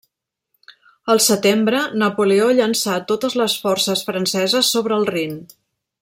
El setembre, Napoleó llençà totes les forces franceses sobre el Rin.